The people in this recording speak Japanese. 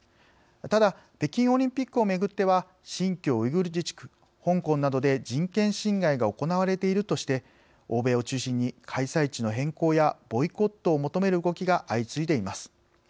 ただ北京オリンピックをめぐっては新疆ウイグル自治区香港などで人権侵害が行われているとして欧米を中心に開催地の変更やボイコットを求める動きが相次いでいます。